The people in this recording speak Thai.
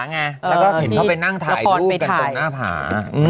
ก็เห็นเขาไปนั่งถ่ายรูปตรงหน้าผา